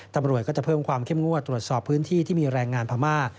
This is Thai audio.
ตำรวจก็จะเพิ่มความเข้มงวดตรวจสอบพื้นที่ที่มีแรงงานพม่า